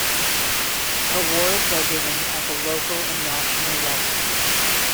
Awards are given at the local and national level.